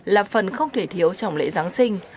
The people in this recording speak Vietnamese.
là phần không thể thiếu trong lễ giáng sinh